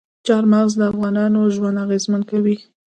چار مغز د افغانانو ژوند اغېزمن کوي.